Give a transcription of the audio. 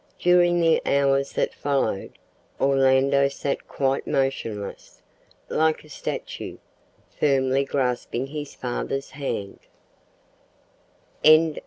During the hours that followed, Orlando sat quite motionless, like a statue, firmly grasping his father's hand.